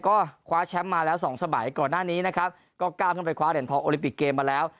ก็คว้าแชมป์มาแล้วสองสมัยก่อนหน้านี้นะครับก็ก้าวขึ้นไปคว้าเหรียญทองโอลิปิกเกมมาแล้ว